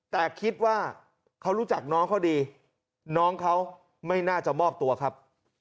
แต่คิดว่าเขารู้จักน้องเขาดีน้องเขาไม่น่าจะมอบตัวครับ